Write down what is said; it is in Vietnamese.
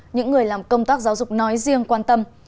những người làm công tác giáo dục nói riêng quan tâm